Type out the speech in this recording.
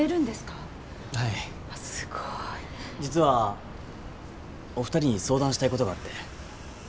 実はお二人に相談したいことがあって。